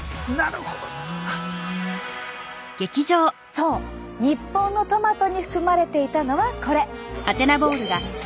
そう日本のトマトに含まれていたのはこれ。